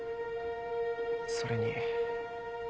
それに。